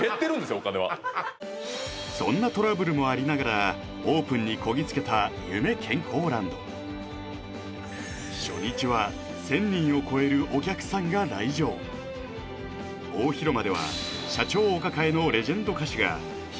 お金はそんなトラブルもありながらオープンにこぎ着けた夢健康ランド初日は１０００人を超えるお客さんが来場大広間では夢